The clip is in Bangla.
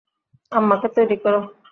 আম্মাকে তৈরি করো।